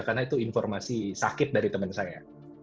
karena itu informasi sakit dari teman saya